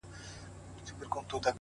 زه هم ځان سره یو څه دلیل لرمه,